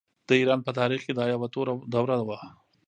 د ایران په تاریخ کې دا یوه توره دوره وه.